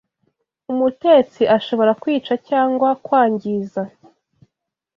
Umutetsi ashobora kwica cyangwa kwangiza